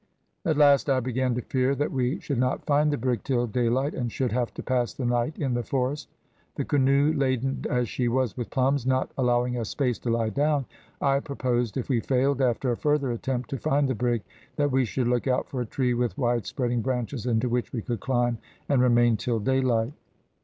At last I began to fear that we should not find the brig till daylight, and should have to pass the night in the forest. The canoe, laden as she was with plums, not allowing us space to lie down, I proposed, if we failed, after a further attempt to find the brig, that we should look out for a tree with widespreading branches, into which we could climb, and remain till daylight.